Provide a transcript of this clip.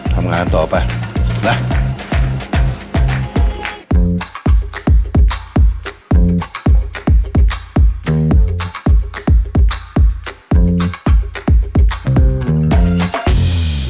ทำงานต่อไปนะ